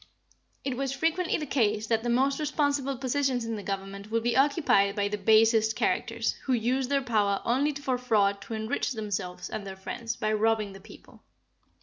It was frequently the case that the most responsible positions in the Government would be occupied by the basest characters, who used their power only for fraud to enrich themselves and their friends by robbing the people.